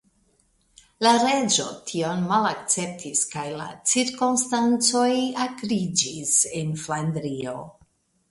La reĝo tion malakceptis kaj la cirkonstancoj akriĝis en Flandrio.